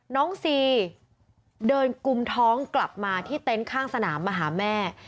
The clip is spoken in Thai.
น้องซีเดินกุมท้องกลับมาที่เต็นต์ข้างสนามมาหาแม่